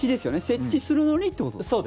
設置するのにということですね。